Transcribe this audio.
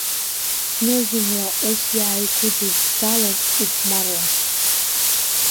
Зны-зынла ус иааигәыдыззалон, ихәмаруан.